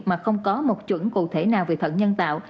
mà không có một chuẩn cụ thể nào về thận nhân tạo